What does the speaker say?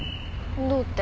どうって？